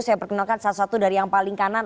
saya perkenalkan salah satu dari yang paling kanan